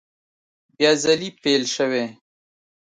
بیا ځلي پیل شوې